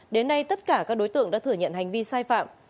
đến nay tất cả các đối tượng đã thừa nhận hành vi sai phạm